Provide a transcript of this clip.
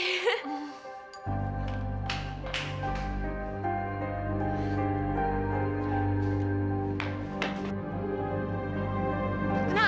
ini gak ada apa apa